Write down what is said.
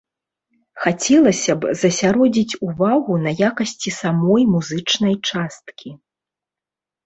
Хацелася б засяродзіць увагу на якасці самой музычнай часткі.